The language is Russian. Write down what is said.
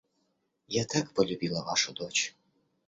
Я так полюбила вашу дочь.